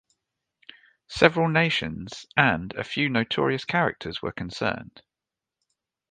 Several nations and a few notorious characters were concerned.